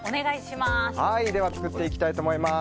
作っていきたいと思います。